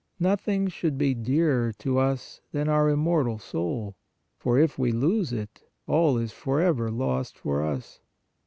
Nothing should be dearer to us than our immortal soul, for if we lose it, all is for ever lost for us.